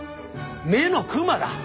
目のクマだ。